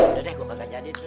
udah deh gue bakal jadi tuh